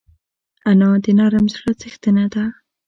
انا د نرم زړه څښتنه ده